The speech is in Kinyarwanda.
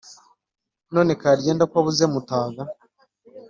none karyenda ko ubuze mutaga,